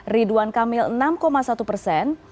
ridwan kamil enam satu persen